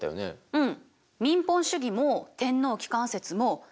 うん。